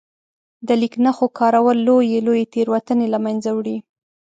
د لیک نښو کارول لويې لويې تېروتنې له منځه وړي.